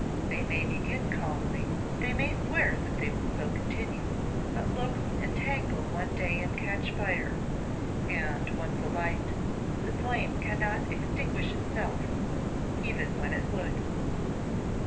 They may begin calmly, they may swear that they will so continue, but looks entangle one day and catch fire, and, once alight, the flame cannot extinguish itself, even when it would.